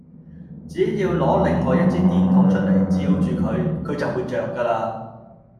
只要攞另外一支電筒出嚟，照住佢，佢就會著架喇